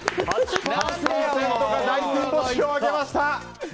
８％が大金星を挙げました！